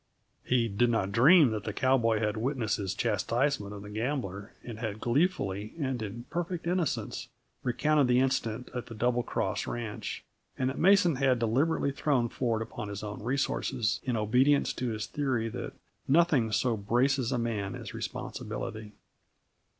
He did not dream that the cowboy had witnessed his chastisement of the gambler and had gleefully, and in perfect innocence, recounted the incident at the Double Cross ranch, and that Mason had deliberately thrown Ford upon his own resources in obedience to his theory that nothing so braces a man as responsibility.